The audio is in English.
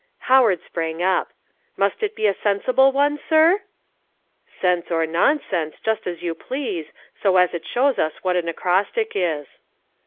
Howard sprang up. "Must it be a sensible one, sir?" "Sense or nonsense, just as you please, so as it shows us what an acrostic is."